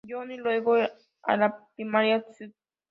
John's y luego a la primaria St.